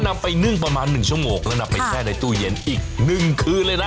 นำไปนึ่งประมาณ๑ชั่วโมงแล้วนำไปแช่ในตู้เย็นอีก๑คืนเลยนะ